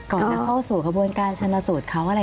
ก่อนเข้าสู่กระบวนการชนสูจน์เขาอย่างไร